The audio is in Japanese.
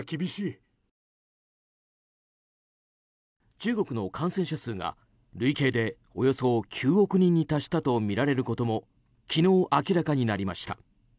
中国の感染者数が累計でおよそ９億人に達したとみられることも昨日明らかになりました。